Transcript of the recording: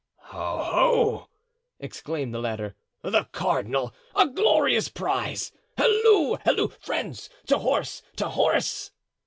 "Ho! ho!" exclaimed the latter, "the cardinal! a glorious prize! Halloo! halloo! friends! to horse! to horse!"